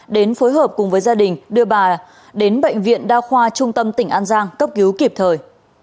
đến phối hợp cùng với gia đình đưa bà đến bệnh viện đa khoa trung tâm tỉnh an giang cấp cứu kịp thời